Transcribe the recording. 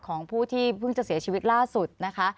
ของผู้ที่เพิ่งจะเสียชีวิตล่าสุดนะคะ